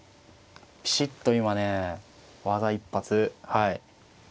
ピシッと今ね技一発はい。